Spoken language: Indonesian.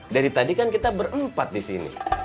dari tadi kan kita berempat disini